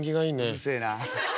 うるせえな。